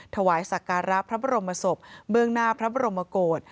ถวายสักการะพระบรมศพเบื้องหน้าพระบรมโกศ